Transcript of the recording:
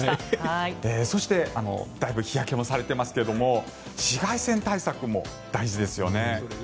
そしてだいぶ日焼けもされていますが紫外線対策も大事ですよね。